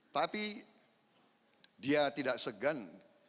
tapi dia tidak segan